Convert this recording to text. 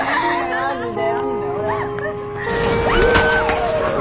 マジで！